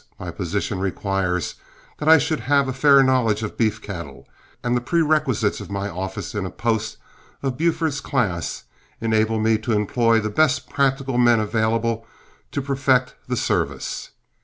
My position requires that I should have a fair knowledge of beef cattle, and the perquisites of my office in a post of Buford's class enable me to employ the best practical men available to perfect the service.